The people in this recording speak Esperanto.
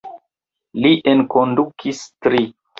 Li enkondukis tri.